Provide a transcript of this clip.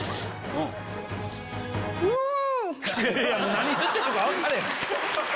何言ってんのか分かれへん。